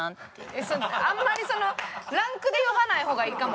あんまりそのランクで呼ばない方がいいかも。